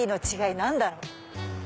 何だろう？